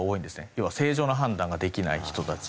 要は正常な判断ができない人たち。